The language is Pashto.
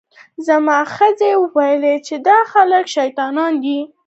زما ښځې وویل چې دا خلک شیطانان دي.